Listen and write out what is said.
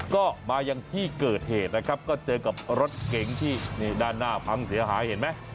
ก็มายังที่เกิดเหตุนะครับก็เจอกับรถเก๋งที่ด้านหน้าพังเสียหายเห็นไหม